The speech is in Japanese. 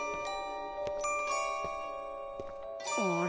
あれ？